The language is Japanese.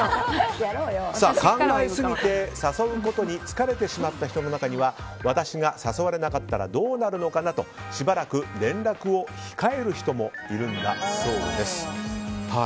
考えすぎて、誘うことに疲れてしまった人の中には私が誘われなかったらどうなるのかなとしばらく連絡を控える人もいるんだそうです。